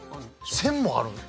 １０００もあるの？